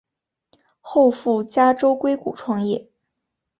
后赴加州硅谷创业。